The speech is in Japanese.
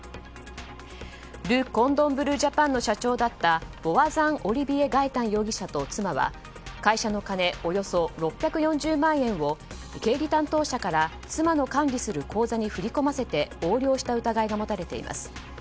ル・コルドン・ブルー・ジャパンの社長だったボワザン・オリビエ・ガエタン容疑者と妻は、会社の金およそ６００万円を経理担当者から妻の管理する口座に振り込ませて横領した疑いが持たれています。